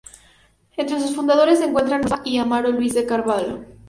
Entre sus fundadores se encuentran Manuel Lisboa y Amaro Luís de Carvalho.